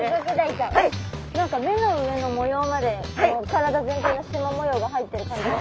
何か目の上の模様まで体全体がしま模様が入ってる感じが。